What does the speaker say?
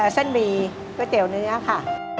เส้นหมี่ก๋วยเตี๋ยวเนื้อค่ะ